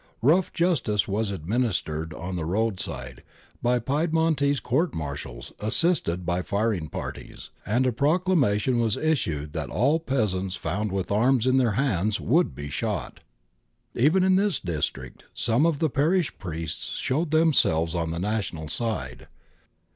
Rough justice was administered on the road side by Piedmontese court martials assisted by firing parties, and a proclamation was issued that all peasants found with arms in their hands would be shot. Even in this district some of the parish priests showed themselves on the national side."